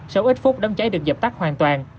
sau ít phút đám cháy được dập tắt hoàn toàn